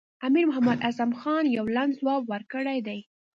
امیر محمد اعظم خان یو لنډ ځواب ورکړی دی.